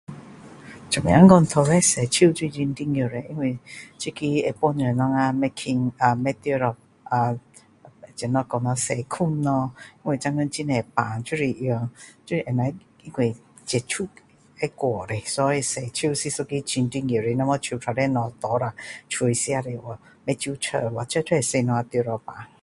现在讲洗手都是很重要的因为这个会帮助我们不肯不会中到怎样讲呀细菌呀因为现在很多病就是因为接触会过的所以洗手是一个很重要的我们手都是东西拿下吃进去这都会使我们得病